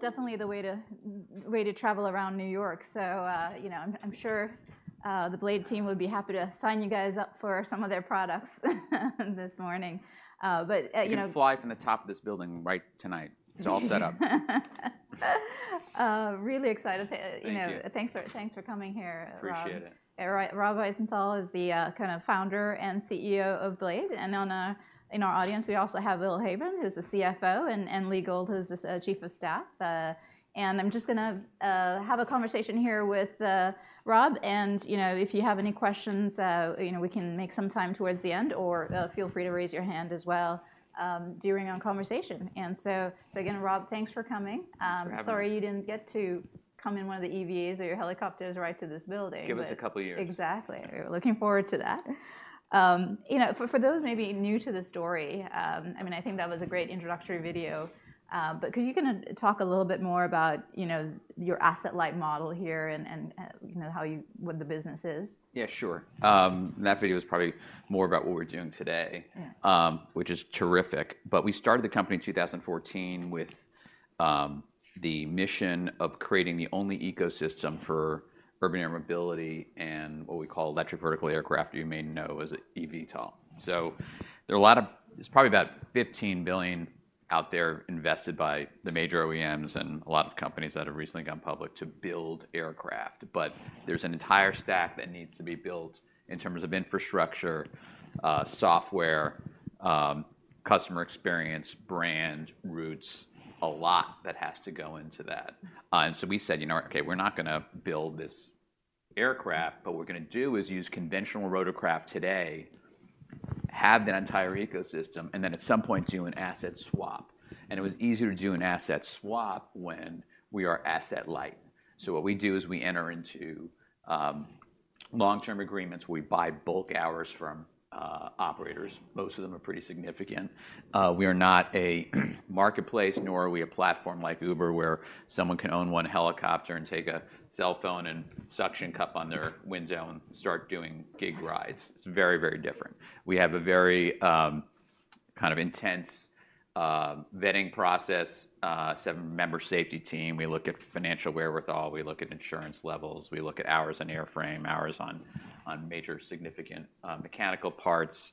Thanks. Well, it's definitely the way to travel around New York, so, you know, I'm sure the Blade team would be happy to sign you guys up for some of their products this morning. But, you know- You can fly from the top of this building right tonight. It's all set up. Really excited- Thank you. You know, thanks for, thanks for coming here, Rob. Appreciate it. Rob Wiesenthal is the kind of founder and CEO of Blade. And on in our audience, we also have Will Heyburn, who's the CFO, and Lee Gold, who's his chief of staff. And I'm just gonna have a conversation here with Rob, and you know, if you have any questions, you know, we can make some time towards the end, or feel free to raise your hand as well during our conversation. So again, Rob, thanks for coming. Thanks for having me. Sorry you didn't get to come in one of the EVAs or your helicopters right to this building, but, Give us a couple years. Exactly. We're looking forward to that. You know, for those maybe new to the story, I mean, I think that was a great introductory video, but could you kind of talk a little bit more about, you know, your asset-light model here and, you know, how you, what the business is? Yeah, sure. That video is probably more about what we're doing today- Yeah -which is terrific. But we started the company in 2014 with, the mission of creating the only ecosystem for urban air mobility and what we call electric vertical aircraft, you may know as eVTOL. So there are a lot of. There's probably about $15 billion out there invested by the major OEMs and a lot of companies that have recently gone public to build aircraft. But there's an entire stack that needs to be built in terms of infrastructure, software, customer experience, brand, routes, a lot that has to go into that. And so we said, "You know what? Okay, we're not gonna build this aircraft, what we're gonna do is use conventional rotorcraft today, have that entire ecosystem, and then at some point do an asset swap. And it was easier to do an asset swap when we are asset-light. So what we do is we enter into long-term agreements. We buy bulk hours from operators. Most of them are pretty significant. We are not a marketplace, nor are we a platform like Uber, where someone can own one helicopter and take a cell phone and suction cup on their window and start doing gig rides. It's very, very different. We have a very kind of intense vetting process, seven-member safety team. We look at financial wherewithal, we look at insurance levels, we look at hours on airframe, hours on major significant mechanical parts,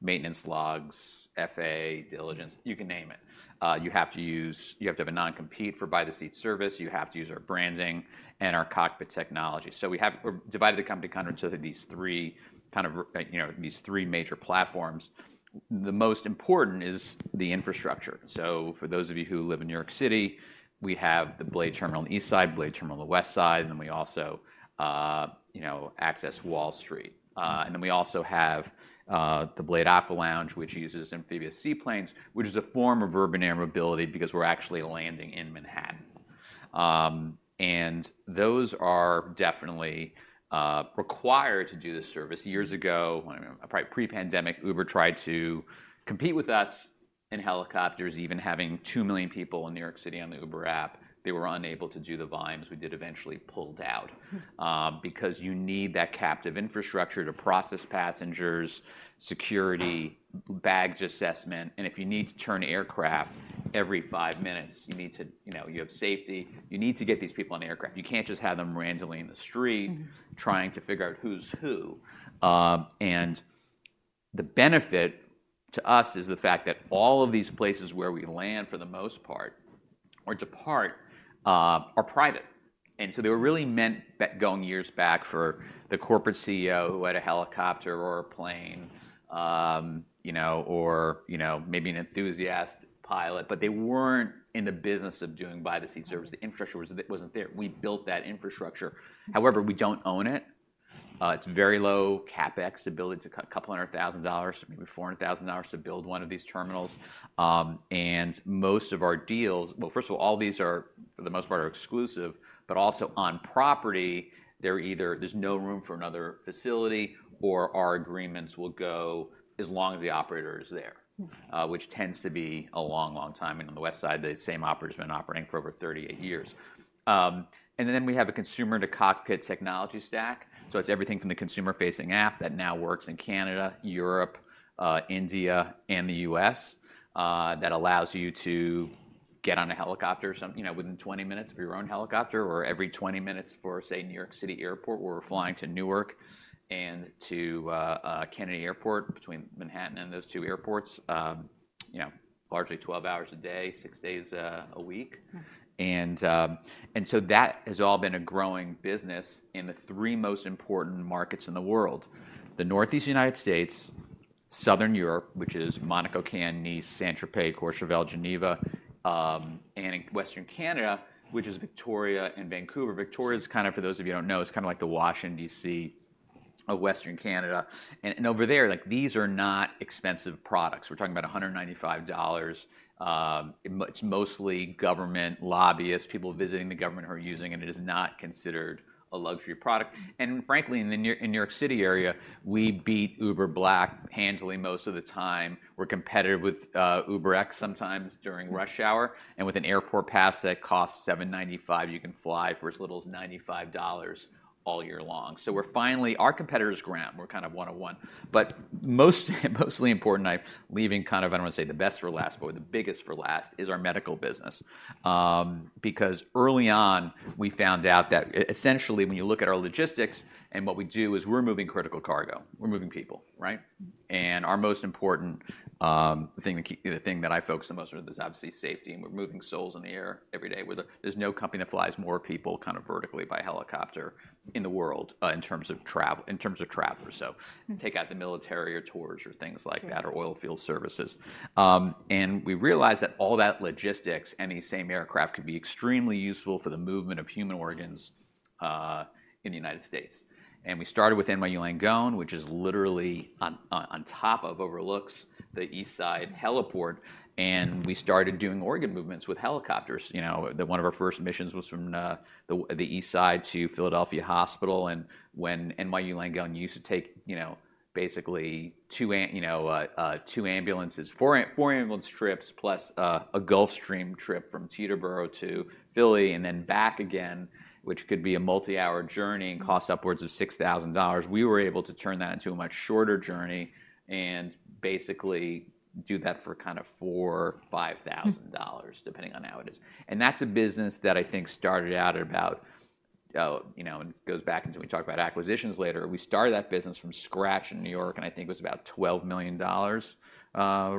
maintenance logs, due diligence, you can name it. You have to have a non-compete for by-the-seat service. You have to use our branding and our cockpit technology. So we've divided the company into these three kind of, you know, these three major platforms. The most important is the infrastructure. So for those of you who live in New York City, we have the Blade terminal on the East Side, Blade terminal on the West Side, and then we also, you know, access Wall Street. And then we also have the Blade Aqua Lounge, which uses amphibious seaplanes, which is a form of urban air mobility because we're actually landing in Manhattan. Those are definitely required to do this service. Years ago, probably pre-pandemic, Uber tried to compete with us in helicopters, even having 2 million people in New York City on the Uber app. They were unable to do the volumes we did, eventually pulled out- Mm-hmm -because you need that captive infrastructure to process passengers, security, baggage assessment, and if you need to turn aircraft every five minutes, you need to, you know, you have safety. You need to get these people on aircraft. You can't just have them randomly in the street- Mm-hmm -trying to figure out who's who. The benefit to us is the fact that all of these places where we land for the most part or depart are private. So they were really meant back, going years back for the corporate CEO who had a helicopter or a plane, you know, or, you know, maybe an enthusiast pilot, but they weren't in the business of doing by-the-seat service. Mm-hmm. The infrastructure wasn't there. We built that infrastructure. However, we don't own it. It's very low CapEx ability to—$200,000, maybe $400,000 to build one of these terminals. And most of our deals—Well, first of all, all these are, for the most part, exclusive, but also on property, they're either there's no room for another facility or our agreements will go as long as the operator is there- Mm-hmm -which tends to be a long, long time. And on the West Side, the same operator's been operating for over 38 years. And then we have a consumer-to-cockpit technology stack. So it's everything from the consumer-facing app that now works in Canada, Europe, India, and the U.S., that allows you to get on a helicopter or some, you know, within 20 minutes of your own helicopter, or every 20 minutes for, say, New York City airport, where we're flying to Newark and to Kennedy Airport, between Manhattan and those two airports, you know, largely 12 hours a day, 6 days a week. Mm. And so that has all been a growing business in the three most important markets in the world: the Northeast United States, Southern Europe, which is Monaco, Cannes, Nice, Saint-Tropez, Courchevel, Geneva, and Western Canada, which is Victoria and Vancouver. Victoria's kind of, for those of you who don't know, is kind of like the Washington, D.C. of Western Canada. And over there, like, these are not expensive products. We're talking about $195. It's mostly government lobbyists, people visiting the government who are using it, and it is not considered a luxury product. And frankly, in New York City area, we beat Uber Black handily most of the time. We're competitive with UberX sometimes during rush hour, and with an airport pass that costs $795, you can fly for as little as $95 all year long. So we're finally our competitor's ground, we're kind of one on one. But most, mostly important, I'm leaving kind of, I don't want to say the best for last, but the biggest for last, is our medical business. Because early on, we found out that essentially, when you look at our logistics and what we do, is we're moving critical cargo, we're moving people, right? And our most important, thing the thing that I focus the most on is obviously safety, and we're moving souls in the air every day. We're there's no company that flies more people kind of vertically by helicopter in the world, in terms of travel, in terms of travelers, so take out the military or tours or things like that- Yeah -or oil field services. We realized that all that logistics and the same aircraft could be extremely useful for the movement of human organs in the United States. We started with NYU Langone, which is literally on top of, overlooks the East Side Heliport, and we started doing organ movements with helicopters. You know, one of our first missions was from the East Side to Philadelphia Hospital. When NYU Langone used to take, you know, basically two ambulances, four ambulance trips, plus a Gulfstream trip from Teterboro to Philly and then back again, which could be a multi-hour journey and cost upwards of $6,000, we were able to turn that into a much shorter journey and basically do that for kind of $4,000-$5,000 depending on how it is. And that's a business that I think started out at about, you know, and it goes back into. We talk about acquisitions later. We started that business from scratch in New York, and I think it was about $12 million,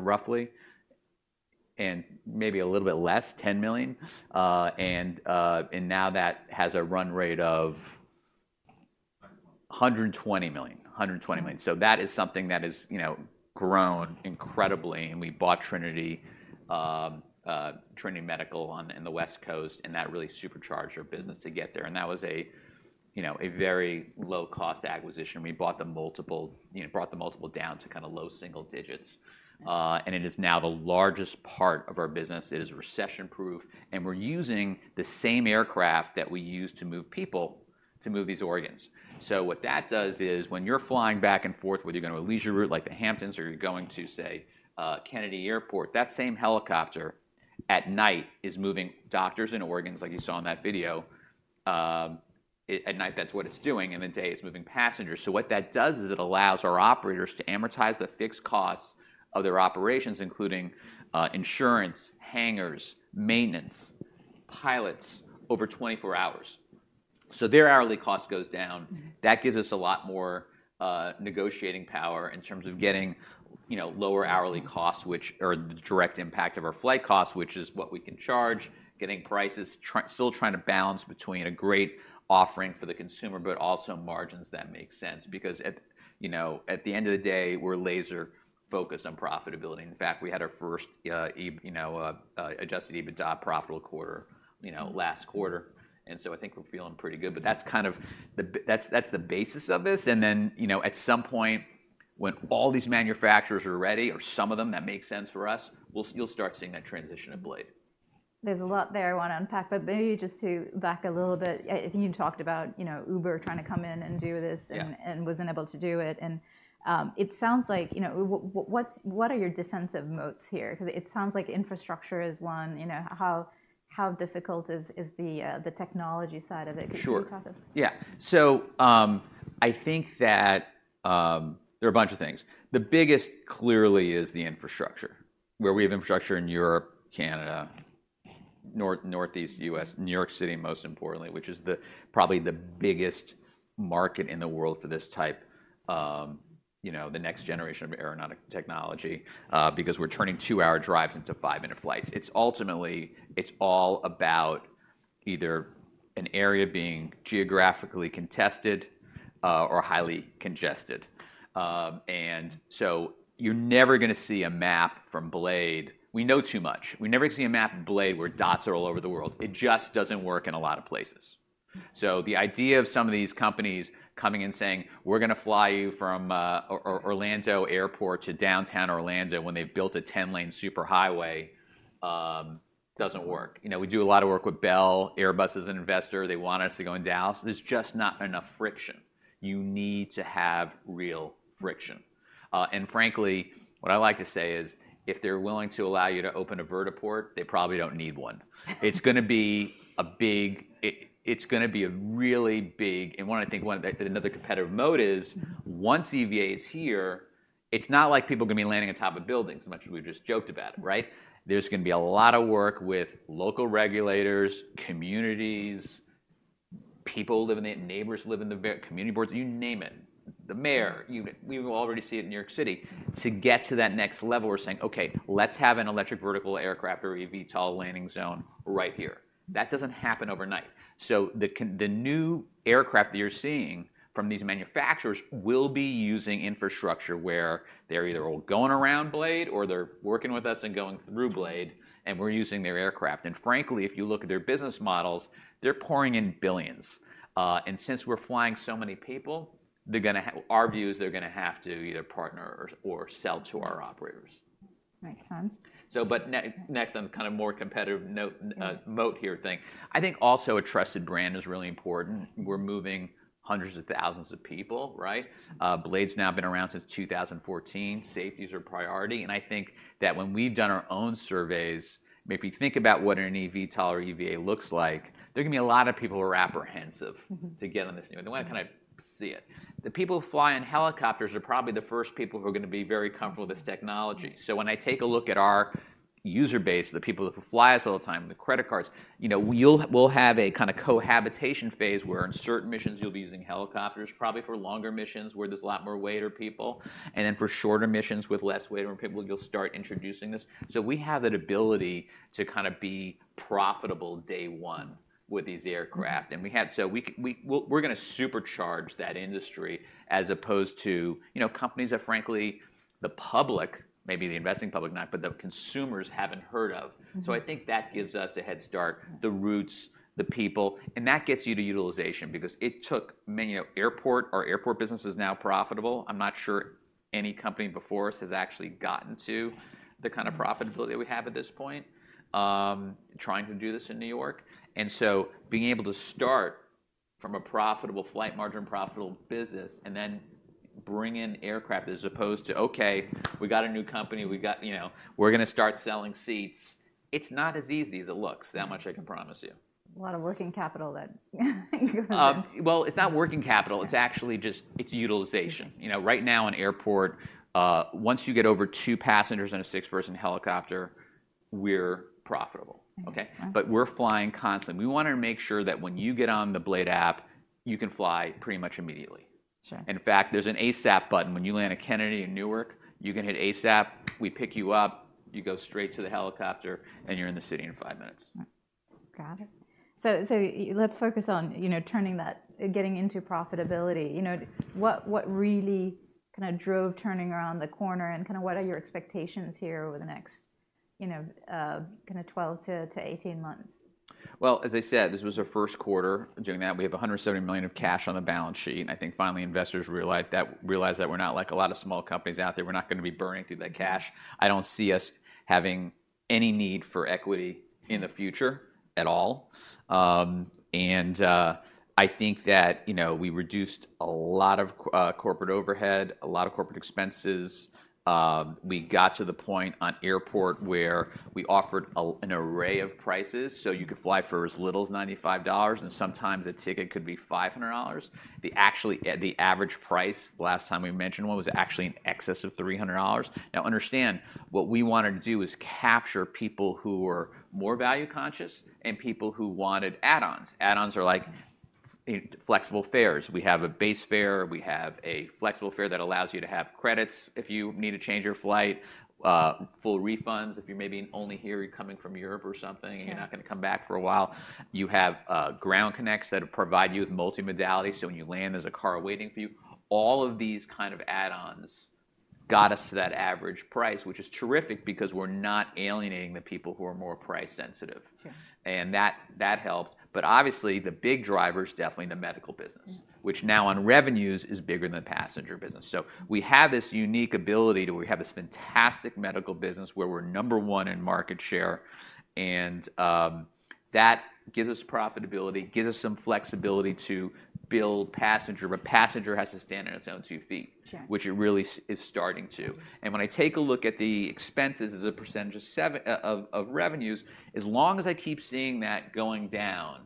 roughly, and maybe a little bit less, $10 million. And now that has a run rate of $120 million,$120 million. $120 million. So that is something that has, you know, grown incredibly, and we bought Trinity, Trinity Medical on, in the West Coast, and that really supercharged our business to get there. And that was a, you know, a very low-cost acquisition. We bought the multiple, yo u know, brought the multiple down to kind of low single digits. And it is now the largest part of our business. It is recession-proof, and we're using the same aircraft that we use to move people to move these organs. So what that does is, when you're flying back and forth, whether you're going on a leisure route, like the Hamptons, or you're going to, say, Kennedy Airport, that same helicopter at night is moving doctors and organs, like you saw in that video. At night, that's what it's doing, and in the day, it's moving passengers. So what that does is it allows our operators to amortize the fixed costs of their operations, including insurance, hangars, maintenance, pilots, over 24 hours. So their hourly cost goes down. That gives us a lot more negotiating power in terms of getting, you know, lower hourly costs, which or the direct impact of our flight costs, which is what we can charge, getting prices, still trying to balance between a great offering for the consumer, but also margins that make sense. Because at, you know, at the end of the day, we're laser focused on profitability. In fact, we had our first, you know, adjusted EBITDA profitable quarter, you know last quarter, and so I think we're feeling pretty good. But that's kind of the basis of this, and then, you know, at some point, when all these manufacturers are ready or some of them that make sense for us, you'll start seeing that transition at Blade. There's a lot there I want to unpack, but maybe just to back a little bit, you talked about, you know, Uber trying to come in and do this and wasn't able to do it. It sounds like, you know, what are your defensive moats here? Because it sounds like infrastructure is one. You know, how difficult is the technology side of it? Sure. Can you talk us? Yeah. So, I think that, there are a bunch of things. The biggest, clearly, is the infrastructure, where we have infrastructure in Europe, Canada, Northeast US, New York City, most importantly, which is the, probably the biggest market in the world for this type, you know, the next generation of aeronautic technology, because we're turning two-hour drives into five-minute flights. It's ultimately, it's all about either an area being geographically contested, or highly congested. And so you're never gonna see a map from Blade. We know too much. We're never gonna see a map of Blade where dots are all over the world. It just doesn't work in a lot of places. So the idea of some of these companies coming and saying: "We're going to fly you from Orlando Airport to downtown Orlando," when they've built a ten-lane superhighway, doesn't work. Mm. You know, we do a lot of work with Bell. Airbus is an investor. They want us to go in Dallas. There's just not enough friction. You need to have real friction. And frankly, what I like to say is, if they're willing to allow you to open a vertiport, they probably don't need one. It's gonna be a really big and I think another competitive moat is once EVA is here, it's not like people are gonna be landing on top of buildings, as much as we just joked about it, right? There's gonna be a lot of work with local regulators, communities, people living in, neighbors who live in the community boards, you name it, the mayor, even. We already see it in New York City. To get to that next level, we're saying, "Okay, let's have an electric vertical aircraft or eVTOL landing zone right here." That doesn't happen overnight. So the new aircraft that you're seeing from these manufacturers will be using infrastructure where they're either all going around Blade, or they're working with us and going through Blade, and we're using their aircraft. And frankly, if you look at their business models, they're pouring in billions. And since we're flying so many people, our view is they're gonna have to either partner or, or sell to our operators. Makes sense. Next, on kind of more competitive note, moat here thing. I think also a trusted brand is really important. We're moving hundreds of thousands of people, right? Blade's now been around since 2014. Safety is priority, and I think that when we've done our own surveys, if you think about what an eVTOL or EVA looks like, there are going to be a lot of people who are apprehensive to get on this thing. They wanna kind of see it. The people who fly on helicopters are probably the first people who are going to be very comfortable with this technology. So when I take a look at our user base, the people who fly us all the time, the credit cards, you know, we'll, we'll have a kind of cohabitation phase, where on certain missions, you'll be using helicopters, probably for longer missions, where there's a lot more weight or people. And then for shorter missions with less weight or people, you'll start introducing this. So we have that ability to kind of be profitable day one with these aircraft. So we're going to supercharge that industry, as opposed to, you know, companies that frankly the public, maybe the investing public not, but the consumers haven't heard of. So I think that gives us a head start, the routes, the people, and that gets you to utilization because it took many. You know, airport, our airport business is now profitable. I'm not sure any company before us has actually gotten to the kind of profitability that we have at this point, trying to do this in New York. And so being able to start from a profitable flight margin, profitable business, and then bring in aircraft, as opposed to, "Okay, we got a new company, we got, you know, we're going to start selling seats," it's not as easy as it looks, that much I can promise you. A lot of working capital, then, goes in. Well, it's not working capital it's actually just, it's utilization. You know, right now in airport, once you get over two passengers in a six-person helicopter, we're profitable. Mm-hmm. Okay? All right. We're flying constant. We wanna make sure that when you get on the Blade app, you can fly pretty much immediately. Sure. In fact, there's an ASAP button. When you land at Kennedy, in Newark, you can hit ASAP, we pick you up, you go straight to the helicopter, and you're in the city in five minutes. Got it. So let's focus on, you know, turning that—getting into profitability. You know, what really kind of drove turning around the corner, and kind of what are your expectations here over the next, you know, kind of 12-18 months? Well, as I said, this was our Q1 doing that. We have $170 million of cash on the balance sheet, and I think finally, investors realized that, realized that we're not like a lot of small companies out there. We're not going to be burning through that cash. I don't see us having any need for equity in the future at all. And I think that, you know, we reduced a lot of corporate overhead, a lot of corporate expenses. We got to the point on airport where we offered an array of prices, so you could fly for as little as $95, and sometimes a ticket could be $500. The actually, the average price, last time we mentioned one, was actually in excess of $300. Now, understand, what we wanted to do is capture people who were more value conscious and people who wanted add-ons. Add-ons are like, flexible fares. We have a base fare, we have a flexible fare that allows you to have credits if you need to change your flight, full refunds, if you're maybe only here, you're coming from Europe or something and you're not going to come back for a while. You have ground connects that provide you with multimodality, so when you land, there's a car waiting for you. All of these kind of add-ons got us to that average price, which is terrific because we're not alienating the people who are more price sensitive. That helped. Obviously, the big driver is definitely the medical business which now on revenues is bigger than the passenger business. So we have this unique ability to, we have this fantastic medical business, where we're number one in market share, and that gives us profitability, gives us some flexibility to build passenger. But passenger has to stand on its own two feet. Sure Which it really is starting to. And when I take a look at the expenses as a percentage of revenue, as long as I keep seeing that going down,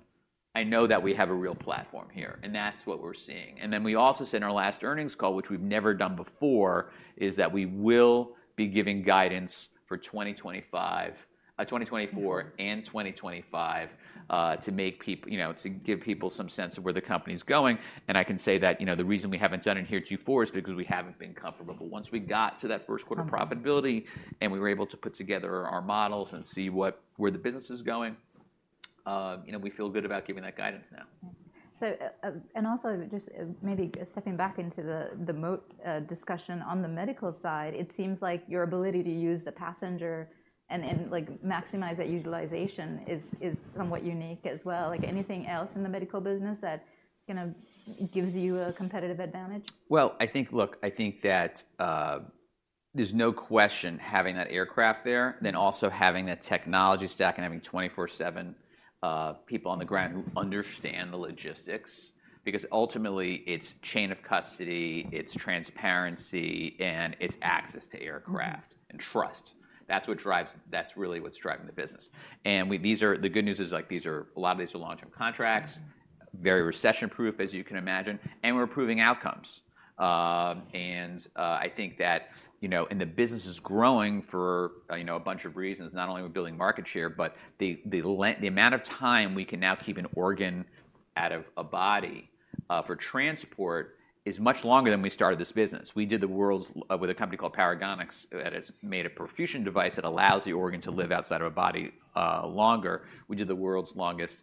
I know that we have a real platform here, and that's what we're seeing. And then we also said in our last earnings call, which we've never done before, is that we will be giving guidance for 2025, 2024 and 2025, you know, to give people some sense of where the company's going. And I can say that, you know, the reason we haven't done it here at Q4 is because we haven't been comfortable. But once we got to that Q1 profitability, and we were able to put together our models and see where the business is going, you know, we feel good about giving that guidance now. So, and also just maybe stepping back into the moat discussion on the medical side, it seems like your ability to use the passenger and like maximize that utilization is somewhat unique as well. Like, anything else in the medical business that kind of gives you a competitive advantage? Well, I think—look, I think that, there's no question having that aircraft there, then also having that technology stack and having 24/7 people on the ground who understand the logistics, because ultimately, it's chain of custody, it's transparency, and it's access to aircraft and trust. That's what drives, That's really what's driving the business. And we, these are, the good news is, like, these are, a lot of these are long-term contracts. Very recession-proof, as you can imagine, and we're proving outcomes. I think that, you know, and the business is growing for, you know, a bunch of reasons, not only we're building market share, but the amount of time we can now keep an organ out of a body for transport is much longer than when we started this business. With a company called Paragonix, that has made a perfusion device that allows the organ to live outside of a body longer. We did the world's longest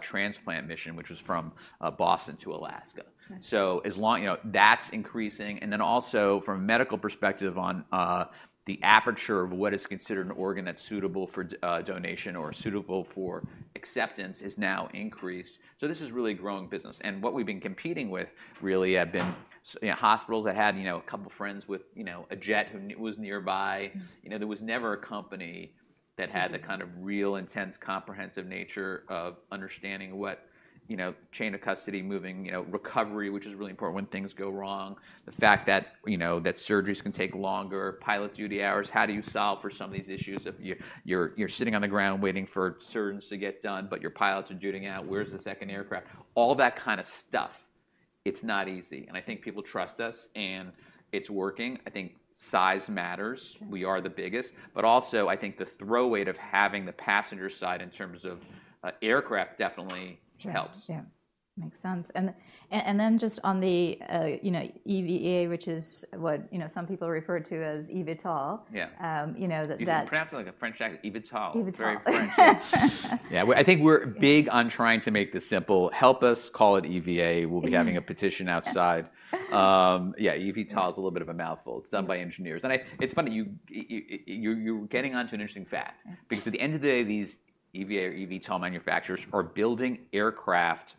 transplant mission, which was from Boston to Alaska. You know, that's increasing. And then also, from a medical perspective on, the aperture of what is considered an organ that's suitable for donation or suitable for acceptance is now increased. So this is really a growing business. And what we've been competing with really have been, you know, hospitals that had, you know, a couple of friends with, you know, a jet who was nearby. You know, there was never a company that had the kind of real, intense, comprehensive nature of understanding, you know, chain of custody, moving, you know, recovery, which is really important when things go wrong. The fact that, you know, surgeries can take longer, pilot duty hours, how do you solve for some of these issues if you're sitting on the ground waiting for surgeons to get done, but your pilots are dutying out, where's the second aircraft? All that kind of stuff, it's not easy, and I think people trust us, and it's working. I think size matters. We are the biggest, but also I think the throw weight of having the passenger side in terms of, aircraft definitely helps. Yeah. Makes sense. And then just on the, you know, EVA, which is what, you know, some people refer to as eVTOL. Yeah. You know, that You pronounce it like a French accent, eVTOL. eVTOL. Very French. Yeah, well, I think we're big on trying to make this simple. Help us call it EVA. We'll be having a petition outside. Yeah, eVTOL is a little bit of a mouthful. It's done by engineers. And it's funny, you, you're getting onto an interesting fact. Because at the end of the day, these EVA or eVTOL manufacturers are building aircraft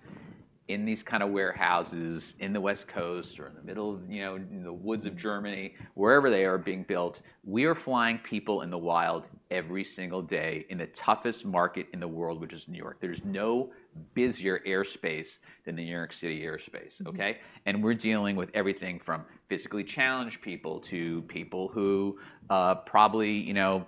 in these kind of warehouses in the West Coast or in the middle of, you know, in the woods of Germany. Wherever they are being built, we are flying people in the wild every single day in the toughest market in the world, which is New York. There's no busier airspace than the New York City airspace, okay? Mm. We're dealing with everything from physically challenged people to people who, probably, you know,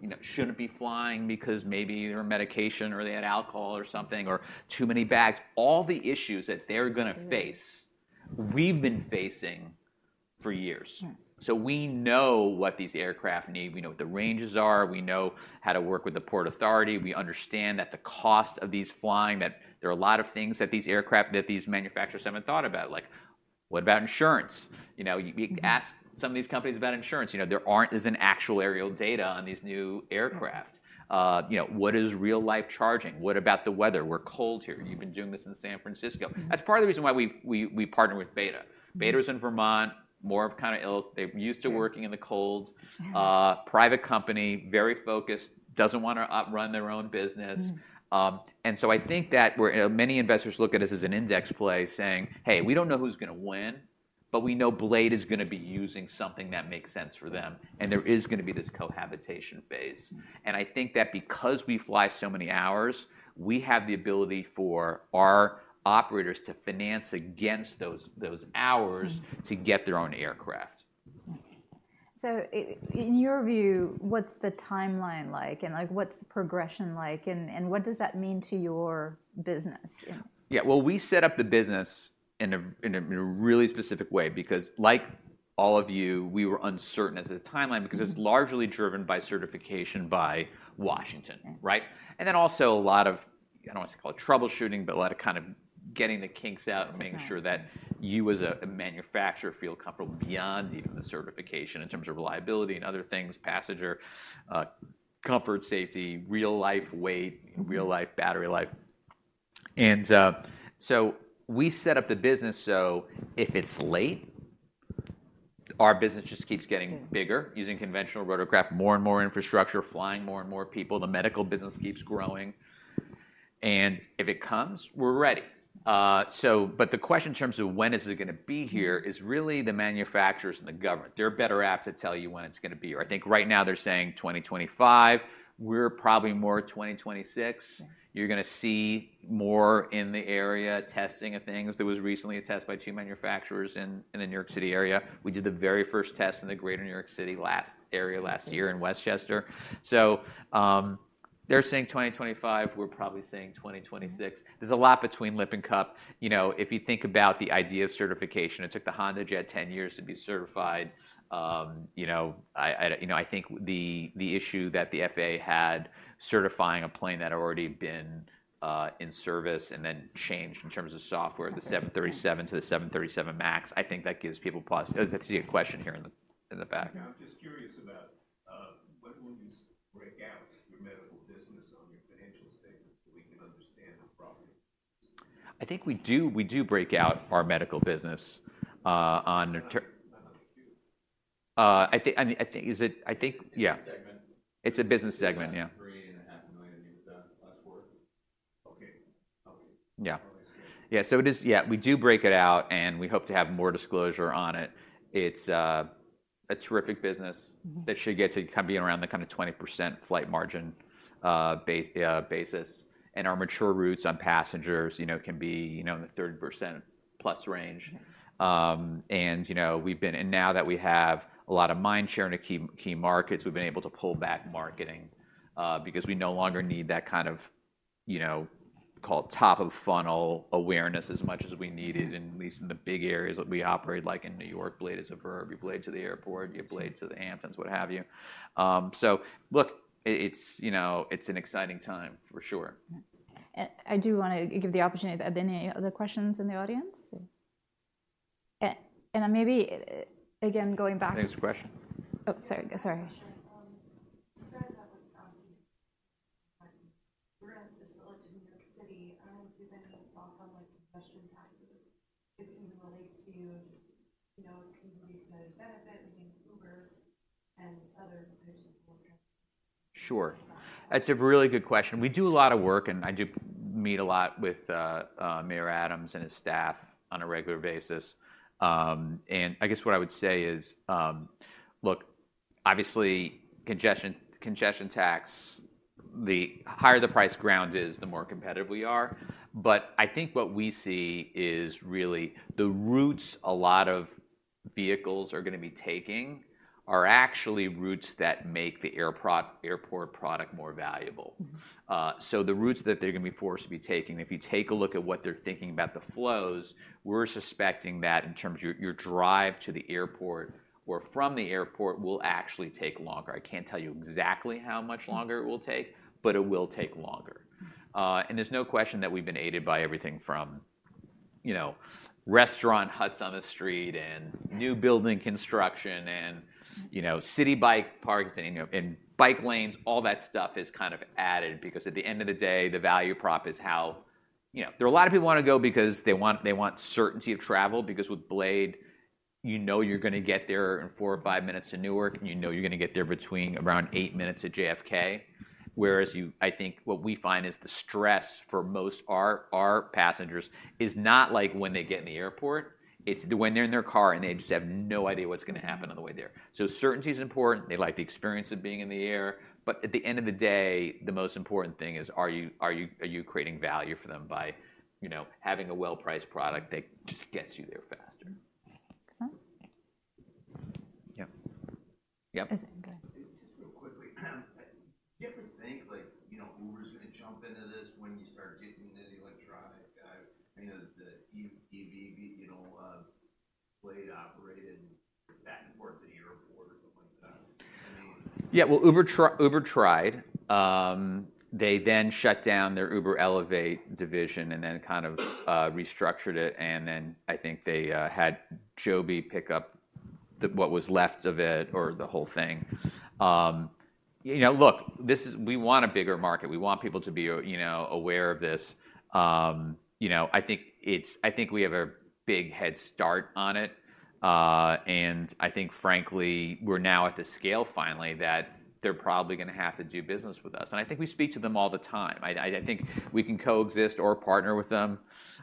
you know, shouldn't be flying because maybe they're on medication or they had alcohol or something, or too many bags. All the issues that they're gonna face. Mm We've been facing for years. Yeah. So we know what these aircraft need. We know what the ranges are. We know how to work with the Port Authority. We understand that the cost of these flying, that there are a lot of things that these aircraft, that these manufacturers haven't thought about, like, what about insurance? You know, you, you ask some of these companies about insurance. You know, there aren't any actual aerial data on these new aircraft. You know, what is real-life charging? What about the weather? We're cold here. You've been doing this in San Francisco. That's part of the reason why we partnered with BETA. BETA is in Vermont, more of kind of ilk. They're used to working in the cold. Private company, very focused, doesn't want to outrun their own business. And so I think that where, you know, many investors look at us as an index play, saying: "Hey, we don't know who's gonna win, but we know Blade is gonna be using something that makes sense for them, and there is gonna be this cohabitation phase. I think that because we fly so many hours, we have the ability for our operators to finance against those hours to get their own aircraft. So in your view, what's the timeline like? And, like, what's the progression like, and what does that mean to your business? Yeah. Yeah, well, we set up the business in a really specific way because, like all of you, we were uncertain as to the timeline because it's largely driven by certification by Washington. Right? And then also a lot of, I don't want to call it troubleshooting, but a lot of kind of getting the kinks out and making sure that you, as a manufacturer, feel comfortable beyond even the certification in terms of reliability and other things, passenger comfort, safety, real-life weight, real-life battery life. And, so we set up the business, so if it's late, our business just keeps getting bigger using conventional rotorcraft, more and more infrastructure, flying more and more people, the medical business keeps growing. If it comes, we're ready. So but the question in terms of when is it gonna be here is really the manufacturers and the government. They're better apt to tell you when it's gonna be. I think right now they're saying 2025. We're probably more 2026. Yeah. You're gonna see more in the area, testing of things. There was recently a test by two manufacturers in the New York City area. We did the very first test in the greater New York City area last year in Westchester. So, they're saying 2025, we're probably saying 2026. There's a lot between lip and cup. You know, if you think about the idea of certification, it took the HondaJet 10 years to be certified. You know, I think the issue that the FAA had certifying a plane that had already been in service and then changed in terms of software. The 737 to the 737 MAX, I think that gives people pause. I see a question here in the, in the back. Yeah, I'm just curious about when will you break out your medical business on your financial statements so we can understand the profit? I think we do, we do break out our medical business, on ter- No, you do. I think, I mean, I think, Is it? I think, yeah. It's a segment. It's a business segment, yeah. $3.5 million, I think, last quarter. Okay. Okay. Yeah. Alright. Yeah. So it is yeah, we do break it out, and we hope to have more disclosure on it. It's a terrific business. Mm-hmm. It should get to kind of be around the kind of 20% flight margin, basis. And our mature routes on passengers, you know, can be, you know, in the 30% plus range. Yeah. And, you know, we've been—and now that we have a lot of mind share in the key, key markets, we've been able to pull back marketing, because we no longer need that kind of, you know, call it top-of-funnel awareness as much as we needed at least in the big areas that we operate, like in New York, Blade is a verb. You Blade to the airport, you Blade to the Hamptons, what have you. So look, it's, you know, it's an exciting time for sure. Yeah. I do want to give the opportunity. Are there any other questions in the audience? And then maybe, again, going back- Next question. Oh, sorry, sorry. Sure. You guys have like obviously, like, ground facility to New York City. Do you have any thoughts on, like, congestion taxes, if it even relates to you, and just, you know, can you read the benefit between Uber and other types of four- Sure. That's a really good question. We do a lot of work, and I do meet a lot with Mayor Adams and his staff on a regular basis. I guess what I would say is, obviously, congestion, congestion tax, the higher the price ground is, the more competitive we are. But I think what we see is really the routes a lot of vehicles are gonna be taking are actually routes that make the airport product more valuable. Mm-hmm. So the routes that they're gonna be forced to be taking, if you take a look at what they're thinking about the flows, we're suspecting that in terms of your, your drive to the airport or from the airport will actually take longer. I can't tell you exactly how much longer it will take, but it will take longer. And there's no question that we've been aided by everything from, you know, restaurant huts on the street and new building construction and you know, Citi Bike parking, and, you know, and bike lanes, all that stuff is kind of added. Because at the end of the day, the value prop is how, you know, there are a lot of people who want to go because they want, they want certainty of travel, because with Blade, you know you're gonna get there in 4 or 5 minutes to Newark, and you know you're gonna get there between around 8 minutes at JFK. Whereas you, I think what we find is the stress for most our passengers is not like when they get in the airport, it's when they're in their car, and they just have no idea what's gonna happen on the way there. So certainty is important. They like the experience of being in the air, but at the end of the day, the most important thing is, are you creating value for them by, you know, having a well-priced product that just gets you there faster? Excellent. Yeah. Yep. Is it, go ahead. Just real quickly, do you ever think, like, you know, Uber's gonna jump into this when you start getting into the electronic, you know, the EV, EV, you know, Blade operated back and forth to the airport or something like that? Anyone- Yeah, well, Uber tried. They then shut down their Uber Elevate division and then kind of restructured it, and then I think they had Joby pick up what was left of it or the whole thing. You know, look, this is. We want a bigger market. We want people to be, you know, aware of this. You know, I think we have a big head start on it. And I think, frankly, we're now at the scale finally that they're probably gonna have to do business with us, and I think we speak to them all the time. I think we can coexist or partner with them.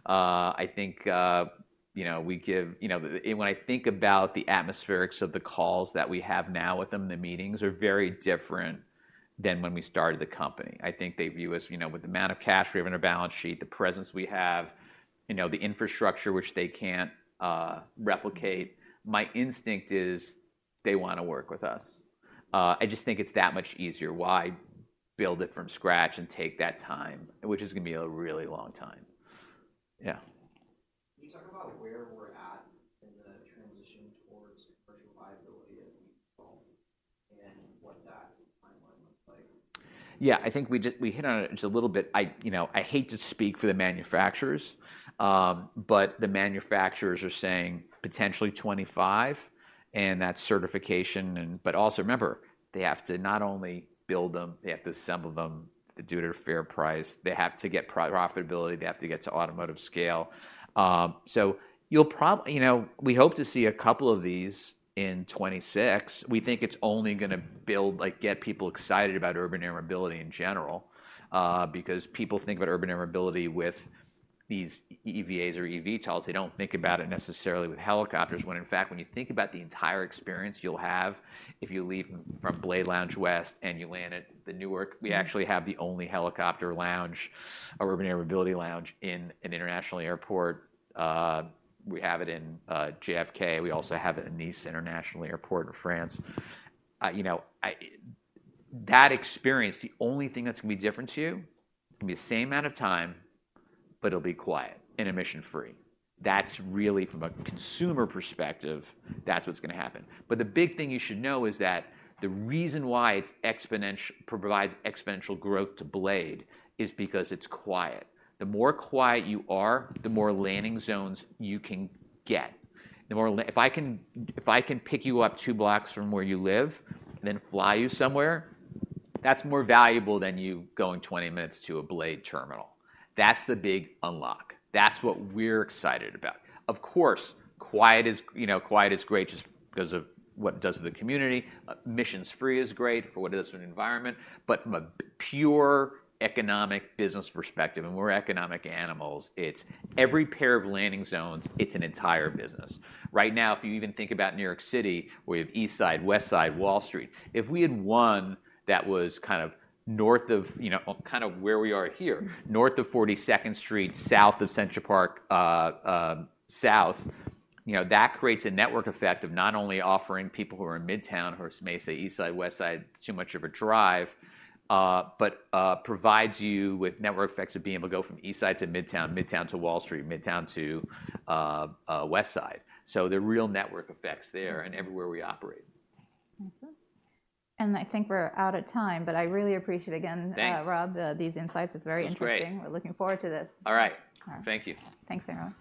I think, you know, we give, you know, when I think about the atmospherics of the calls that we have now with them, the meetings are very different than when we started the company. I think they view us, you know, with the amount of cash we have on our balance sheet, the presence we have, you know, the infrastructure which they can't replicate. My instinct is they want to work with us. I just think it's that much easier. Why build it from scratch and take that time, which is gonna be a really long time? Yeah. Can you talk about where we're at in the transition towards commercial viability as we go, and what that timeline looks like? Yeah, I think we just, we hit on it just a little bit. I, you know, I hate to speak for the manufacturers, but the manufacturers are saying potentially 2025, and that's certification and. But also, remember, they have to not only build them, they have to assemble them, do it at a fair price. They have to get profitability, they have to get to automotive scale. So you'll probably, you know, we hope to see a couple of these in 2026. We think it's only gonna build, like, get people excited about urban air mobility in general, because people think about urban air mobility with these EVAs or eVTOLs. They don't think about it necessarily with helicopters, when in fact, when you think about the entire experience you'll have, if you leave from Blade Lounge West, and you land at the Newark, we actually have the only helicopter lounge, or urban air mobility lounge in an international airport. We have it in JFK, we also have it in Nice International Airport in France. You know, that experience, the only thing that's gonna be different to you, it's gonna be the same amount of time, but it'll be quiet and emission-free. That's really, from a consumer perspective, that's what's gonna happen. But the big thing you should know is that the reason why it provides exponential growth to Blade is because it's quiet. The more quiet you are, the more landing zones you can get. If I can, if I can pick you up two blocks from where you live, then fly you somewhere, that's more valuable than you going 20 minutes to a Blade terminal. That's the big unlock. That's what we're excited about. Of course, quiet is, you know, quiet is great just because of what it does to the community. Emissions-free is great for what it does to the environment, but from a pure economic business perspective, and we're economic animals, it's every pair of landing zones, it's an entire business. Right now, if you even think about New York City, we have East Side, West Side, Wall Street. If we had one that was kind of north of, you know, kind of where we are here, North of 42nd Street, south of Central Park, you know, that creates a network effect of not only offering people who are in Midtown, or it may say East Side, West Side, too much of a drive, but provides you with network effects of being able to go from East Side to Midtown, Midtown to Wall Street, Midtown to West Side. So there are real network effects there and everywhere we operate. Mm-hmm. And I think we're out of time, but I really appreciate, again- Thanks Rob, these insights. It's very interesting. That's great. We're looking forward to this. All right. All right. Thank you. Thanks, everyone.